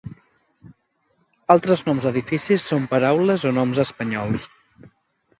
Altres noms d'edificis són paraules o noms espanyols.